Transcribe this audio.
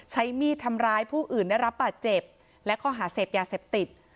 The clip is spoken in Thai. ใช้มีดทำร้ายผู้อื่นได้รับบาดเจ็บและข้อหาเสพยาเสพติด